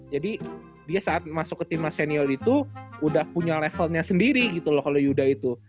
jadi dia saat masuk ke timnas senior itu udah punya levelnya sendiri gitu loh kalo yuda itu